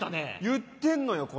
言ってんのよこれ。